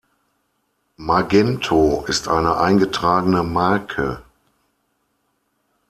Magento ist eine eingetragene Marke.